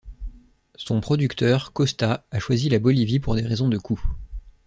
Son producteur, Costa, a choisi la Bolivie pour des raisons de coûts.